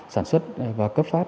sản xuất và cấp phát